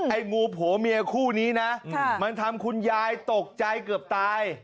งูผัวเมียคู่นี้นะมันทำคุณยายตกใจเกือบตาย